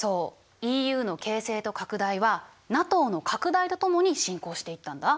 ＥＵの形成と拡大はＮＡＴＯの拡大とともに進行していったんだ。